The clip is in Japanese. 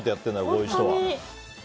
こういう人は。